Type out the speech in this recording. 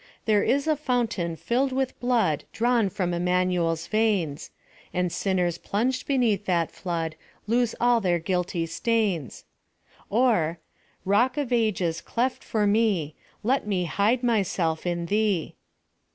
There is a fountain filFd with blood, Drawn from Immanuel's veins ; And sinners plunged beneath that llood Lose all their guilty stains. Or, Kock of Ages, cleft for roe, Let me hide myself in Thee.